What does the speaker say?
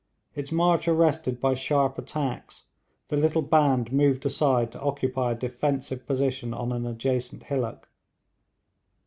Its march arrested by sharp attacks, the little band moved aside to occupy a defensive position on an adjacent hillock.